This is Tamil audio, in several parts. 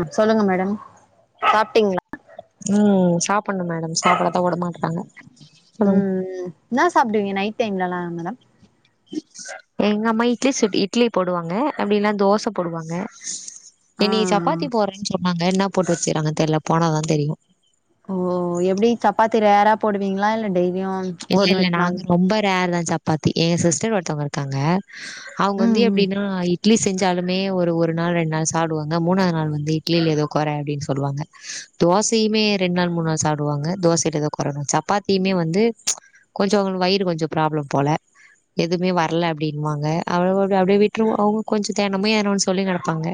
ம்ம் சொல்லுங்க மேடம் சாப்பிட்டீங்களா ம் சாப்புண்ணும் மேடம் சாப்பிடத்தான் உடமாட்டிரிடாங்க சொல்லுங்க ம் ம் என்னா சாப்பிடுவிங்க நைட் டைம்லல்லா மேடம் எங்க அம்மா இட்லி சுட்டு இட்லி போடுவாங்க அப்டியில்லனா தோச போடுவாங்க ஆ இன்னிக்கு சப்பாத்தி போடுறேன்னு சொன்னாங்க என்ன போட்டு வச்சுகிறாங்கன்னு தெர்ல போனதான் தெரியும் ஓஓ எப்டி சப்பாத்தி ரேரா போடுவீங்களா இல்ல டெய்லி இல்ல இல்ல நாங்க ரொம்ப ரேர்றா தான் சாப் பாத்தி ஏ சிஸ்டர் ஒருத்தவங்க இருக்காங்க அவுங்க வந்து ம் ம் எப்டின்னா இ இட்லி செஞ்சாலுமே ஒரு ஒரு நாள் ரெண் நாள் சாப்புடுவாங்க மூணாவது நாள் வந்து இட்லியில ஏதோ குறை அப்டின்னு சொல்லுவாங்க தோசையுமே ரெண்டு நாள் மூன் நாள் சாப்டுவாங்க தோசையில ஏதோ கொறன்னு சப்பாத்தியுமே வந்து கொஞ்சம் அவங்களுக்கு வயிறு கொஞ்சம் ப்ராப்ளம் போல எதுமே வரல அப்டின்னுவாங்க அவ்ளோ தான் அப்டியே விட்ருவோ அவங்க கொஞ்சம் தேணமு எதனா ஒன்னு சொல்லிங் கெடப்பாங்க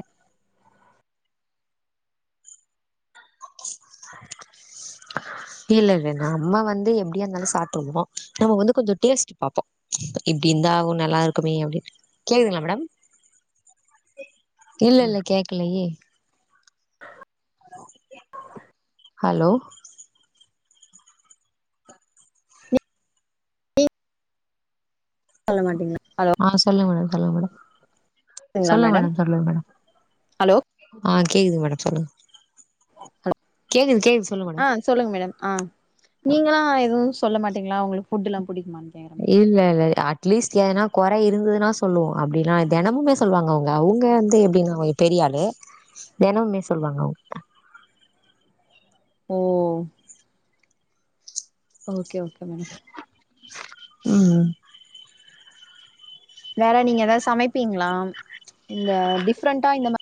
அ இல்ல இல்ல நம்ம வந்து எப்டியா இருந்தாலு சாப்ட்ருவோ நம்ம வந்து கொஞ்ச டேஸ்ட் பாப்போ இப்படி இருந்தா கொ நல்லா இருக்குமே அப்டினு கேக்குதுங்களா மேடம் இல்ல இல்ல கேக்கலயே ஹலோ ஆ சொல்லுங் மேடம் சொல்லுங் மேடம் சொல்லுங் மேடம் சொல்லுங்க மேடம் ஹலோ ஆ கேக்குதுங் மேடம் சொல்லுங் கேக்குது கேக்குது சொல்லுங்க ஆ மேடம் சொல்லுங்க மேடம் ஆ நீங்களல்லா எதுவு சொல்ல மாட்டீங்களா உங்களுக்கு புட் எல்லா புடிக்குமான்னு கேக்குறே மேடம் இல்ல இல்ல அ அட்லீஸ்ட் எதனா கொற இருந்ததுன்னா சொல்லுவோ அப்டின்னா தெனமுமே சொல்லுவாங்க அவங்க அவங்க வந்து எப்டினா பெரியாளு தெனமுமே சொல்லுவாங்க அவுங்க ஓ ஓகே ஓகே மேடம் ம் வேற நீங்க ஏதாவது சமைப்பீங்களா இந்த டிஃப்ரெண்டா இந்த மாரி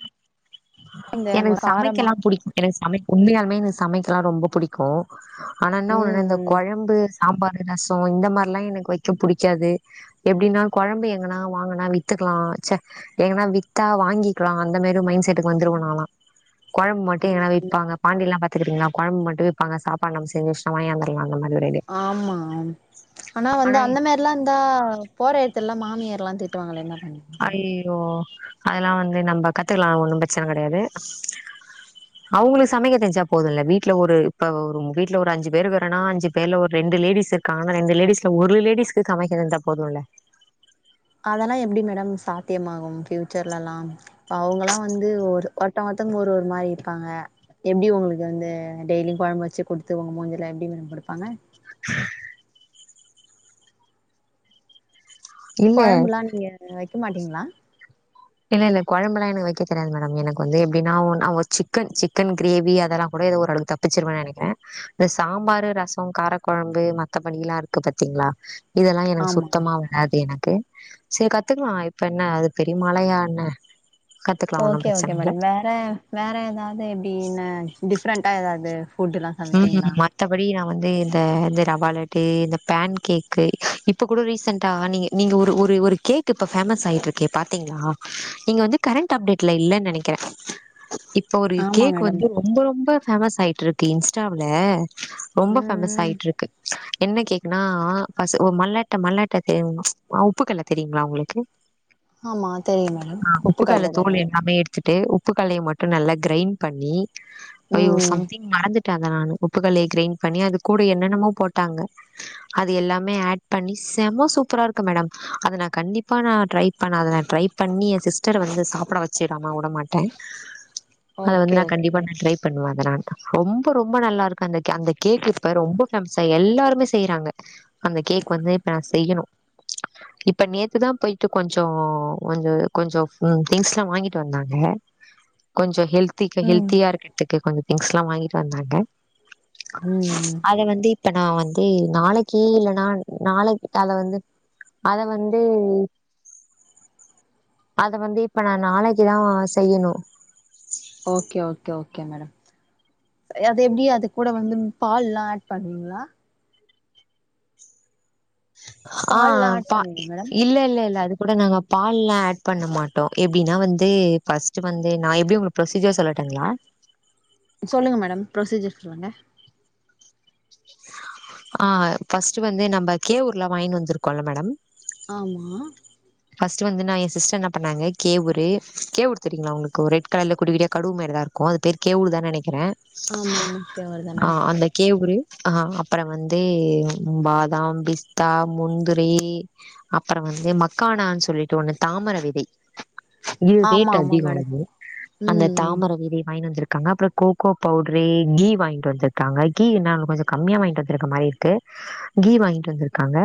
இந்த எனக்கு காரமா சமைக்கலாம் புடிக்கும் எனக்கு சமைக்கலா புடிக் உண்மையாலுமே எனக்கு சமைக்கலா ரொம்ப புடிக்கு க்கு ஆனா என்ன ம் ஒண்ணுன்னா இந்த ம் கொழம்பு சாம்பாரு ரசம் இந்த மாரில்லா எனக்கு வைக்க புடிக்காது எப்டின்னா கொழம்பு எங்கனா வாங்கனா வித்துக்கலா ச எங்கனா வித்தா வாங்கிக்கலா அந்த மாரி மைண்ட் செட் வந்துருவனாலா கொழம்பு மட்டு எதனா விப்பாங்க பாண்டிலல்லா பாத்துக்கறீங்களா கொழம்ப மட்டு விப்பாங்க சாப்பாடு நம்ம செஞ்ச வச் சமயாந்தரலா அந்த மாரி ஒரு ஐடியா ஆமா ஆனா வந்து அந்த மாரி ல்லாம் இருந்தா போற எடத்துலா மாமியார் எல்லா திட்டுவாங்களே என்ன பண்ண ஐய்யியோ அதெல்லா வந்து நம்ப கத்துக்கலா ஒன்னு பிரச்சன கடையாது அவுங்ளுக் சமைக்க தெர்ஞ்சா போதுல்ல வீட்டில ஒரு இப்போ ஒரங்க வீட்ல ஒரு அஞ்சு பேரு இல்லனா அஞ்சு பேர்ல ஒரு ரெண்டு லேடிஸூ காமனா இந்த லேடிஸ்ல ஒரு லேடிஸ்க்கு சமைக்க தெரிஞ்சா போதுல்ல அதெல்லா எப்டி மேடம் சாத்தியமாகு ஃபியூச்சர்லல்லா இப்ப அவங்களா வந்து ஒரு ஒருத்தங் ஒருதங் ஒரு ஒரு மாரி இருக்காங்க எப்டி உங்களுக்கு வந்து டெய்லியு கொழம்ப வச்சு குடுத்து உங்க மூஞ்சல எப்டி மேம் குடுப்பாங்க இல்ல கொழம்புல்லா நீங்க வைக்க மாட்டீங்களா இல்ல இல்ல கொழம்பெல்லா எனக்கு வைக்க தெரியாது மேடம் எனக்கு வந்து எப்டின்னா ஒன்னா சிக்கன் சிக்கன் கிரேவி அதெல்லா கூட ஏதோ ஒரு அளவுக்கு தா வச்சிருவேன்னு நெனக்கிறே இந்த சாம்பாரு ரசம் காரக்கொழம்பு மத்தபடில்லா இருக்கு பாத்தீங்களா இதெல்லாம் எனக்கு ஆமா சுத்தமா வராது எனக்கு சரி கத்துக்கலா இப்ப என்ன அது பெரிய மலயா என்ன கத்துக்கலா ஒன்னு பிரச்சன இல்ல டிஃப்ரெண்ட்டா எதாவது ம் ம் மத் த்தபடி நா வந்து இந்த இந்த ரவாலட்டு இந்த பேன் கேக்கு இப்ப கூட ரீசென்ட்டா ஆணிய நீங்க ஒரு ஒரு ஒரு கேக் இப்ப பேமஸ் ஆயிட்ருக்கே பாத்தீங்களா நீங்க வந்து கரண்ட் அப்டேட் ல்ல இல்லன்னு நெனைக்கிறே இப் ப ஒரு ஆமா கேக் மேடம் வந்து ரொம்ப ரொம்ப பேஃமஸ் ஆய்ட்டருக்கு இன்ஸ்டாவுல ரொம்ப ம் ஃபேஃமஸ் ம் ஆய்ட்ரு கு என்ன கேக்குனா ஃபஸ்ஸு ஓ மல்லாட்ட மல்லாட்ட தேவ்னு ஆ உப்புக்கல்ல தெரியுங்ளா உங்ளுக்கு ஆமா தெரியு மேடம் உப்புக்கல தான துட்டே உப்பு கல்லய மட்டு நல்லா க்ரைண் பண்ணி ஐயோ ம் சம்தி ந்துட்டாங்க நானு உப்புகல்லே க்ரைண் பண்ணி அது கூட என்னென்னமோ போட்டாங்க அது எல்லாமே ஆட் பண்ணி செம சூப்பரா இருக்கு மேடம் அத நா கண்டிப்பா நா ட்ரை பண்ணாதந ட்ரைப் பண்ணி ய சிஸ்டர வந்து சாப்புட வெச்சிராம வுடமாட்டே அது ஓகே வந்து நா ஓகே கண்டிப்பா மேடம் ந ட்ரை பண்ணுவ அதநாண் ரொம்ப ரொம்ப நல்லார்க்கு அந்தக்கே அந்த கேக்குப்பர் ரொம்ப ஃபேம்ஸா எல்லார்மே செய்றாங்க அந்த கேக் வந்து இப்ப நா செய்யணு இப்ப நேத்துதா போய்ட்டு கொஞ்சோ கொஞ்சு கொஞ்சோ ம் திங்ஸ்லா வாங்கிட்டு வந்தாங்க கொஞ்சோ ஹெல்த் திக்கு ம் ஹெல்த்தியா இருக்குத்துக்கு கொஞ்ச திங்ஸ்லா வாங்கிட்டு வந்தாங்க ம் அத வந்து இப் ப்ப நா வந்தே நாளைக்கே இல்லன்னான் நாளைக் காலால வந்து அத வந்து அத வந்து இப்ப நா நாளைக்குதா செய்யணு ஓகே ஓகே ஓகே மேடம் அது எப்டி அது கூட வந்தும் பால்லா ஆட் பண்வீங்களா ஆ பால்லா ஆட் பா பண்ணுவீங்க மேடம் இல்ல இல்ல இல்ல அது கூட நாங்கப் பால்லா ஆட் பண்ண மாட்டோ எப்டின்னா வந்தே ஃபஸ்ட்டு வந்து நா எப்டி உங்ளுக் ப்ரொசீஜர் சொல்லட்டுங்ளா சொல்லுங்க மேடம் ப்ரொசீஜர் சொல்லுங்க ஆ ஃபஸ்ட்டு வந்து நம்ப கே ஊர்லா வாய்ன் வந்துருக்கோல மேடம் ஆமா ஃபஸ்ட்டு வந்து நா ய சிஸ்டர் என்ன பண்ணாங்க கேவுரு கேவூர் தெரிங்ளா உங்குக்கு ரெட் கலர்ல குட்டி குட்டியா கடுவு மாரிதார் கோ அது பேர் கேவூல் தா நெனக்கிறே ஆமா ஆமா இப்பயே வருதா ஆ மேடம் அந்த கேவுரு ஆ அப்பற வந்தே பாதாம் பிஸ்தா முந்திரி அப்பற வந்து மக்கானா சொல்லிட்டு ஒண்ணு தாமர விதை இயோ ஆமா ரேட் ஆமா அதிகோ மேடம் அது அந்த ம் தாமர விதை வாய்ன் வந்துருக்காங்க அப்றோ கோகோ பவ்ட்ரே கீ வாய்ன்ட்டு வந்துர்க்காங்க கீ என்னாலு கொஞ்சொ கம்மியா வய்ன்ட்டு வந்த்ருக்க மாரி இருக்கு கீ வாங்கிட் வந்துருக்காங்க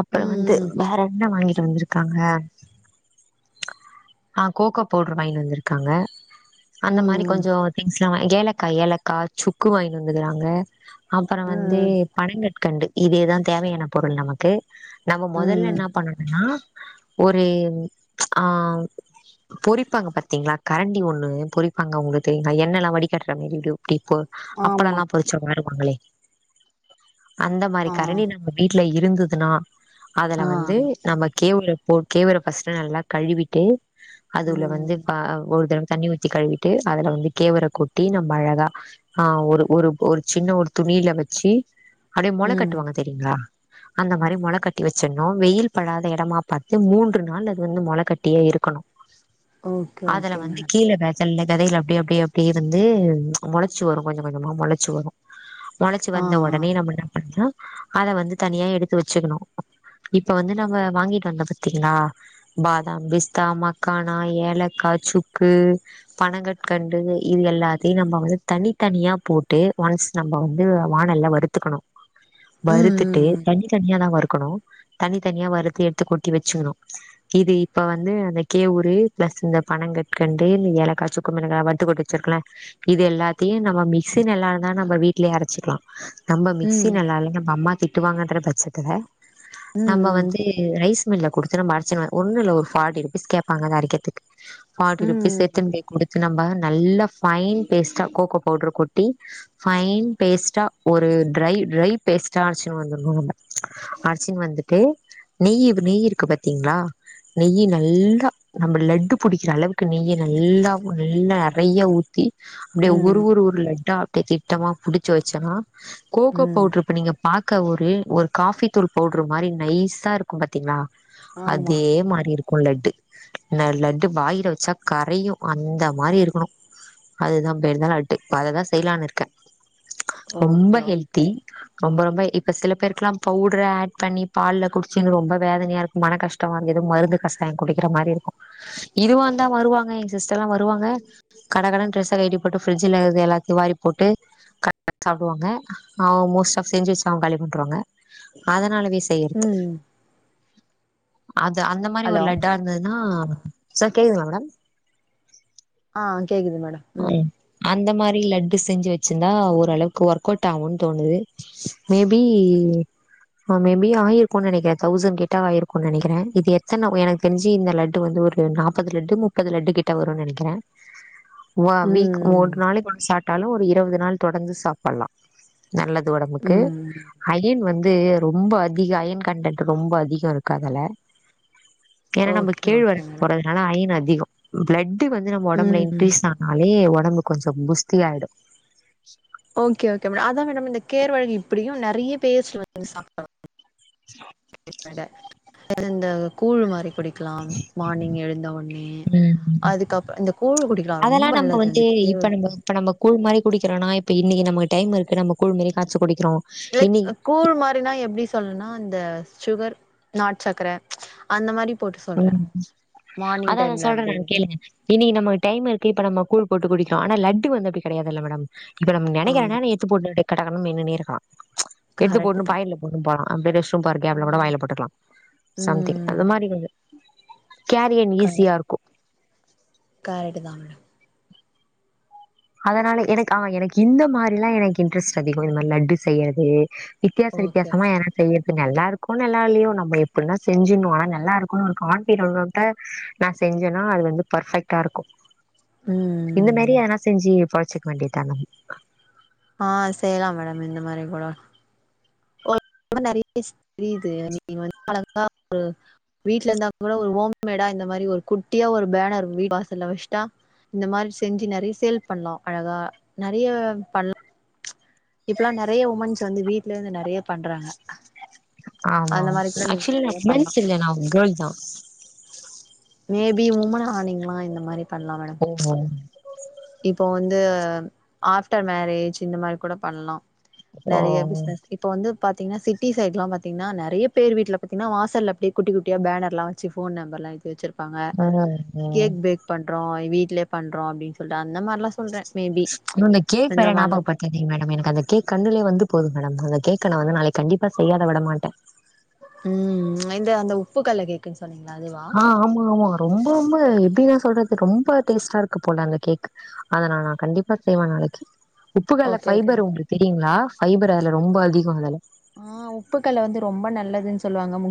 அப்பறோ வந்து ம் வேற் என்ன வாங்கி ட்டு வந்துருக்காங்க ஆ கோகோ பவ்டர் வாய்ன் வந்துருக்காங்க அந்த மாரி ம் கொஞ்சோ திங்ஸ்லா வா ஏலக்கா ஏலக்கா ச்சுக்கு வாய்ன் வந்துதுறாங்க அப்புற ம் வந்தே ம் பனங்கட்கண்டு இதுேதா தேவையான பொருள் நமக்கு நம்ம மொதல்ல ம் என்னாப் அன்னா ஒரே ஆவ் பொறிப்பாங்க பாத்தீங்களா கரண்டி ஒன்னு பொறிப்பாங்க அவ்ங்க தே ஹை என்னல்லா வடிகட்ற மேறிட்யு டி போர் ஆமா அப்பலல்லா பொதிச்ச வாருவாங்களே அந்த மாரி ஆ கரணி நம்ம வீட்ல இருந்ததுன்னா அதல ஆ வந்து நம்ம கேவூர்ல போட் கேவெர ஃபஸ்ட்டு நல்லாக் கழுவிட்டு அத் உல்ல வந்து ம் பா அவ் ஒரு தடவ தண்ணி ஊத் த்தி கழுவிட்டு அதல வந்து கேவர கொட்டி நம்ப் அழகா ஆ ஒரு ஒரு ஒரு சின்ன ஒரு துணில வச்சி அடே மொள ம் கட்டுவாங்க தெரிங்ளா அந்த மாரி மொள கட்டி வச்சிட்ணு வெயில் படாத எடமா பாத்து மூன்று நாள் அது வந்து மொள கட்டியே இருக்கணு ஓகே அதல ஓகே வந்து மேடம் கீழ பே செல்ல கதைக அப்டியே அப்டியே அப்டி இருந்து மொளச்சு வரும் கொஞ்சம் கொஞ்சமா மொளச்சு வரும் மொளச்சு ஆ வந்த உடனே நம்ம என்ன பண்றோ அத வந்து தனியா எடுத்து வச்சுக்கணும் இப்ப வந்து நம்ம வாங்கிட்டு வந்தோ பாத்தீங்களா பாதாம் பிஸ்தா மக்கானா ஏலக்கா சுக்கு பனங்கற்கண்டு இது எல்லாத்தியும் நம்ம வந்து தனி தனியா போட்டு ஒன்ஸ் நம்ம வந்து வானல்ல வறுத்துக்கணும் ஆ வறுத்துட்டு ம் தனி தனியாதான் வறுக்கணும் தனி தனியா வருத்து எத்து கொட்டி வச்சுக்ணும் இது இப்ப வந்து இந்த கேவுரு பிளஸ் இந்த பனங்கட்கண்டு இந்த ஏலக்கா சுக்கு மிளகா வறுத்துக்கொட் வச்சிருக்கல இது எல்லாத்தியும் நம்ம மிக்சி நல்லா இருந்தா நம்ப வீட்லயே அரச்சிக்கலாம் நம்ப மிக்சி ம் நல்லால்ல நம்ப அம்மா திட்டுவாங்கன்ற பச்சத்துல ம் நம்ப ம் வந்து ரைஸ் மில்ல குடுத்து நம்ப அரச்சுக்கலா ஒன்னு இல்ல ஒரு ஃபார்ட்டி ருப்பீஸ் கேப்பாங்க அத அறக்கத்துக்கு ஃபாட்டி ருப்பீஸ் ம் எத்துனு போய் குடுத்து நம்ப நல்ல ஃபைன் பேஸ்டா கோக்கோ பவ்டுரு கொட்டி ஃபைன் பேஸ்ட்டா ஒரு டிரை டிரை பேஸ்ட்டா அரச்சுனு வந்துருனு நம்ப அரச்சுனு வந்து ப்போ நெய்யி இருக் நெய்யி இருக்கு பாத்தீங்களா நெய்யி நல்லா நம்ப லட்டு புடிக்கிற அளவுக்கு நெய்ய நல்லா நல்லா நறயா ஊத்தி அப்டியே ஒரு ம் ஒரு ஒரு லட்டா அப்டே திட்டமா புடிச்சி வச்சன்னா ம் கோகோ ம் பவ்டுருப்ப நீங்க பாக்க ஒரு ஒரு காஃபித் தூள் பவுடுரு மாறி நைஸா இருக் க்கும் பாத்தீங்னா ஆமா அதே மாறி இருக்கு க்கும் லட்டு ந லட்டு வாயில வச்சா கரையும் அந்த மாறி இருக்குணு அதுதான் பேந்தா லட்டு ப்ப அததான் செய்யலான் இருக்க ரொம்ப ஓகே ஓகே ஹெல்தி ரொம்ப ரொம்ப இப்ப சில பேருக்குல்லாம் பவுடரா ஆட் பண்ணி பால்ல குடிச்சின்னு ரொம்ப வேதனயா இருக்கும் மன கஷ்டமா இருக்கு எதொ மருந்து கசாயம் குடிக்கிற மாறி இருக்கு இதுவா இந்தா வருவாங்க என் சிஸ்டர்ல்லா வருவாங்க கட கடன்னு டிரெஸ்ஸ கழட்டி போட்டு ஃப்ரிட்ஜலக்குறது எல்லாத்தியும் வாரி போட்டு கரெக்டா சாப்டுவாங்க ஆ மோஸ்ட் ஆஃப் செஞ்சு வச்ச அவங்க காலி பண்ருவாங்க அதனால வேஸ்ட் செய்யறது ம் அது அந்த மாறி ஒரு ஹலோ லட்டா அந்த இதுலா சார் கேக்குதுங்களா மேடம் ஆ கேக்குது மேடம் ம் அந்த மாறி லட்டு செஞ்சு வச்சிருந்தா ஓரளவுக்கு ஒர்க் அவுட் ஆவுன்னு தோணுது மேபி ஆ மேபி ஆயிருக்கு நெனக்கிற தௌசண்ட்க்கிட்ட ஆயிருக்கு நெனக்கிறன இது எத்தன எனக் தெஞ்சி இந்த லட்டு வந்து ஒரு நாப்பது லட்டு முப்பது லட்டுக்கிட்ட வருன்னு நெனக்கிற ஒ அ வீக் ம் ஒரு நாளக்கி சாப்டாலும் ஒரு இருவது நாள் தொடர்ந்து சாப்ல்லா நல்லது ஒடம்புக்கு ம் அயன் வந்து ரொம்ப அதிக அயன் கன்டன்ட் ரொம்ப அதிகம் இருக்கு அதுல ஏன்னா நம்ப ஓகே ஓகே கேழ்வரகு மேடம் போறதுனால அயன் அதிகம் பிளட்டு வந்து நம்ம ஒடம்புல ம் இன்க்ரீஸ் ஆ னாலே ஒடம்பு கொஞ்சம் புஸ்தி ஆய்டும் ஓகே ஓகே மேடம் அதான் மேடம் இந்த கேர் வர்கு இப்புடியும் நெறயா பேர்ஸ் சொல் சாப்ட்டோம் இட்லீ வட அது இந்த கூழ் மாறி குடிக்கலாம் மானிங் எழுந்த ஒன்னே ம். அதுக்கப்ப இந்த கூழ் குடிக்கலாம் ரொம்ப அதெல்லாம் நம்ம நல்லது வந்து அது இப்ப நம்ம கேவுருகூழ் இப்ப நம்பக்கூழ் மாறி குடிக்கிரோன்னா இப்ப இன்னிக்கி நமக்கு டைம் இருக்கு நம்ப கூழ்மேரி காச்சு குடிக்கிறோம் லைக் இன்னைக்கு கூழ் மாறின்னா எப்டி சொல்னா இந்த சுகர் நாட்டு சக்கர அந்த மாறி போட்டு சொல்றே ம் மார்னிங் அதா நா டைம்ல சொல்ற நா அப்டி கேளுங்க இன்னிக்கி நமக்கு டைம் இருக்கு இப்ப நம்ம கூழ் போட்டு குடிக்கிறோ ஆனா லட்டு வந்து அப்புடி கடையாதுல்ல மேடம் இப்ப நம்ம ஆ நெனைக்கிறோன்னா எ த்துப் போட்டு அடே கடகடனு மென்னுக்குனே இருக்கலா எடுத்து கரெக்ட் போட்டுனு தா பாயெட்ல போட்டு போலா அப்டி ரெஸ் ரூ ம் போல கேப்புல கூட வாயில போட்டுக்கலா சம்திங் ம் அந்த மாறி வந்து கேரியன் ஈஸியா இருக்கு கரெட்டு தா மேடம் அதனால எனக்கு ஆ எனக்கு இந்த மாறிலா எனக்கு இன்ட்ரெஸ்ட் அதிகோ இந்த மாறி லட்டு செய்யறது வித்தியாச ஓகே வித்தியாசமா என செய்யறத்து நல்லாருக்கோ நல்லா இல்லயோ நம்ம எப்புன்னா செஞ்சிட்ணு ஆனா நல்லா இருக்குனு ஒரு காண்டீரிட்டா நா செஞ்சோன்னா அது வந்து பர்ஃபெக்டா இருக்கு இந்த மாரி ம் ஏதனா செஞ்சு பொழைச்சிக்க வேண்டியத நம் ஆ செய்யலா மேடம் இந்த மாரி கூட இந்த மாரி நெறைய [unintelligible] தெரியுது [unintelligible] நீங்க வந்து பழங்கா ஒரு வீட்டுல இருந்தாங்க கூட ஒரு ஹோம்மேடா இந்த மாரி ஒரு குட்டியா ஒரு பேனர் வீ வாசல வச்சிட்டா இந்த மாரி செஞ்சு நெறைய சேல் பண்ணலா அழகா நெறைய பண் இப்பல்லா நெறைய உமன்ஸ் வந்து வீட்ல இருந்து நெறையப் பண்றாங்க ஆமா அந்த மாரி கூட நீங்க ஆக்சுலி நா நெறைய பண்லா உமன்ஸ் இல்ல நா கேர்ள்தா மேபி உமனானிங்களா இந்த மாரி பண்லா மேடம் ஓகோ இப்போ வந்து ஆஃப்டர் மேரேஜ் இந்த மாரி கூட பண்ணலா ஓ நெறைய பிஸ்னஸ் இப்போ வந்து பாத்தீங்கன்னா சிட்டி சைட்லாம் பாத்தீங்கன்னா நெறைய பேர் வீட்டுல பாத்தீங்கன்னா வாசல்லல அப்டியே குட்டி குட்டிய பேனர்லா வச்சு போன் நம்பர்ல்லா எழுதி வச்சிருப்பாங்க ம் ம் கேக் பேக் பண்றோ வீட்லயே பண்றோ அப்டின்னு சொல்ட்டு அந்த மாரிலா சொல்றே மேபி இன்னொன்னு கேப்ப இந்த மாரிலா நாபகபத்து சரிங் மேடம் எனக்கு அந்த கேக் கண்ணுலே வந்து போது மேடம் அந்த கேக நா வந்து நாளைக் கண்டிப்பா செய்யாத விட மாட்ட ம் இந்த அந்த உப்பு கல்ல கேக்குன்னு சொன்னீங்களா அதுவா ஆ ஆமா ஆமா ரொம்ப ரொம்ப எப்டிதா சொல்றது ரொம்ப டேஸ்ட்டா இருக்கு போல அந்த கேக் அத நா நா கண்டிப்பா செய்வ நாளைக்கி உப்புகல ஓகே ஓகே ஃபைபர் உங்களுக்கு தெரியுங்களா ஃபைபர் அதுல ரொம்ப அதிகோ அதுல ஆ உப்புக்கல்ல வந்து ரொம்ப நல்லதுன்னு சொல்லுவாங்க மு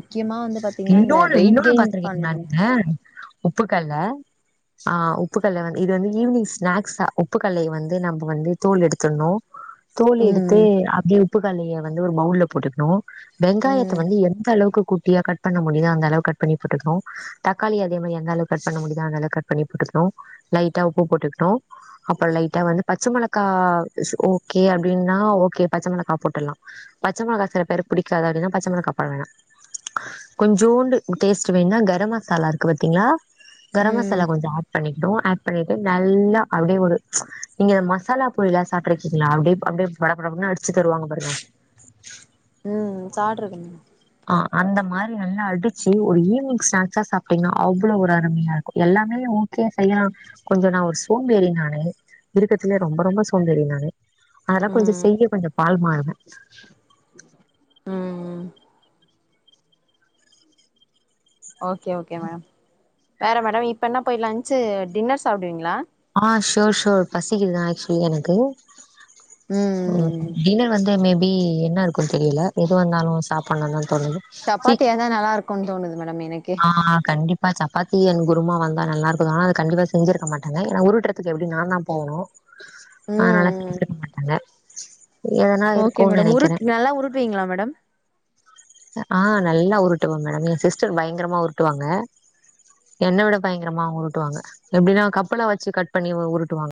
இன்னொன்னு இன்னொன்னு பாத்துருக்கீங்க பண்ணணு நீங்க உப்புக்கல்ல ஆ உப்புக்கல் வந்து இது வந்து ஈவினிங் ஸ்நாக்ஸா உப்புக்கல்லைய வந்து நம்ம வந்து தோல் எடுத்துணு தோல் எடுத்து ம் அப்டியே உப்புக்கலைய வந்து ஒரு பௌவுல போட்டுக்கணு வெங்காயத்தை ம் வந்து எந்த அளவுக்கு குட்டியா கட்பண்ண முடியுதோ அந்தளவு கட் பண்ணி போட்டுக்கணு தக்காளி அதே மாரி எந்தளவு கட் பண்ண முடியுதோ அந்தளவுக் கட் பண்ணி போட்டுக்கணு லைட்டா உப்பு போட்டுக்கணு அப்புற லைட்டா வந்து பச்ச மிளகா ஸ் ஓகே அப்டின்னா ஓகே பச்ச மிளகா போட்டலா பச்சமிளக சில பேருக்கு பிடிக்காது அப்டின்னா பச்சமிளகா போடவேணா கொஞ்சோண்டு டேஸ்ட் வேண்னா கரம் மசாலா இருக்கு பாத்தீங்களா கரம் ம் மசாலா கொஞ்சோ ஆட் பண்ணி டு ஆட் பண்ணிட்டு நல்லா அப்டியே ஒரு நீங்க மசாலா பொரிலா சாப்பிட்டு இருக்கீங்களா அப்டியே அப்டியே பட படனு அடிச்சு தருவங்க பாருங்க ம் சாப்ட்டிருக்கேங்க ஆ அந்த மாரி நல்லா அடிச்சு ஒரு ஈவி்னிங் ஸ்நாக்ஸா சாப்ட்டீங்கன்னா அவ்வளவு ஒரு அருமையா இருக்கு எல்லாமே ஒ கே செய்யலா கொஞ்சோ நா ஒரு சோம்பேறினானு இருக்கதுலே ரொம்ப ரொம்ப சோம்பேறினானு அதெல்லா கொஞ்சம் ம் செய்ய பண்ண கொஞ்சம் பால் மாறுதா ம் ஓகே ஓகே மேடம் வேற மேடம் இப்போ என்ன போய் லன்ச்சு டின்னர் சாப்டுவீங்களா ஆ ஷோர் ஷோர் பசிக்குதுதான் ஆக்சுவலி எனக்கு ம் டின்னர் வந்து மேபி என்ன இருக்ன்னு தெரியல எதுவாருந்தாலும் சாப்புனு தான் தோணுது சப்பாத்தியா இருந்தா நல்லா இருக்கும்னு தோணுது மேடம் எனக் ஆஹஹா கண்டிப்பா சப்பாத்தி அன் குருமா வந்தா நல்லா இருக்கும் ஆனா அது கண்டிப்பா செஞ்சிருக்க மாட்டாங்க ஏன்னா ஊருட்டறத்துக்கு எப்டி நான் தான் போவணும் அதனால ம் செஞ்சிருக்க மாட்டாங்க எதனா ஓகே இருக்கும்னு மேடம் நெனைக்கிறே உருட் நல்லா உருட்வீங்களா மேடம் ஆ நல்லா உருட்டுவன் மேடம் என் சிஸ்டர் பயங்கரமா உருட்டுவாங்க என்ன விட பயங்கரமா அவங்க உருட்டுவாங்க எப்டின்னா கப்பலா வச்சு கட் பண்ணி உருட்டுவாங்க